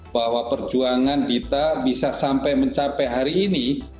bahwa perjuangan dita bisa sampai mencapai hari ini